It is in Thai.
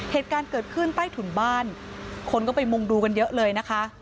เหตุการณ์เกิดขึ้นใต้ถุนบ้านคนก็ไปมุงดูกันเยอะเลยนะคะ